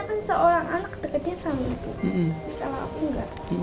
kan seorang anak deketnya sama ibu kalau aku enggak sama ibuku jauh